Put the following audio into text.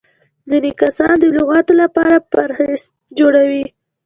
ځيني کسان د لغاتو له پاره فهرست جوړوي.